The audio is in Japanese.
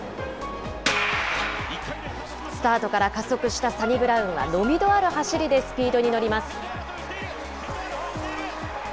スタートから加速したサニブラウンは伸びのある走りでスピードに乗ります。